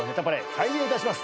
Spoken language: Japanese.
開演いたします。